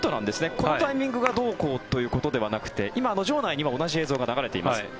このタイミングがどうこうということではなくて今、場内には同じ映像が流れています。